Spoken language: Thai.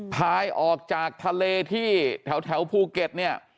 พายออกจากทะเลที่แถวภูเก็ตเนี่ย